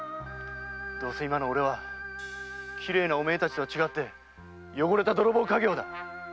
どうせ今の俺は綺麗なお前たちとは違って汚れた泥棒稼業だ！